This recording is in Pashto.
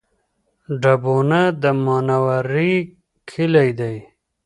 ډبونه د منورې کلی دی